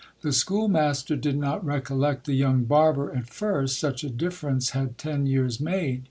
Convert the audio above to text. The schoolmaster did not recollect the young barber at first, such a difference had ten years made.